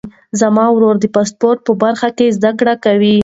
زما ورور د سپورټ په برخه کې زده کړې کوي.